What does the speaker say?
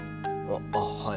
あっはい。